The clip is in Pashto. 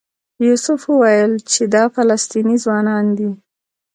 یوسف وویل چې دا فلسطینی ځوانان دي.